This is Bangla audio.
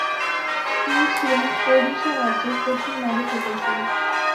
তিনি ছিলেন ওডিশা রাজ্যের প্রথম নারী প্রকৌশলী।